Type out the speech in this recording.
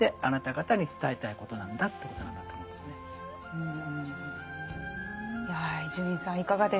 うん。